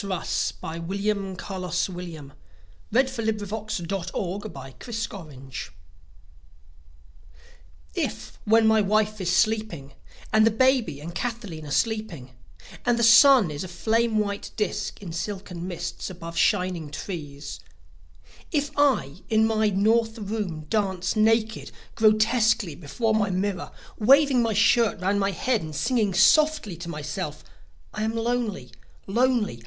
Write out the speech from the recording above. I said petals from an appletree. William Carlos Williams Danse Russe IF when my wife is sleeping and the baby and Kathleen are sleeping and the sun is a flame white disc in silken mists above shining trees, if I in my north room dance naked, grotesquely before my mirror waving my shirt round my head and singing softly to myself: "I am lonely, lonely.